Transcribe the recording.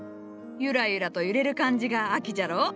ゆらゆらと揺れる感じが秋じゃろ。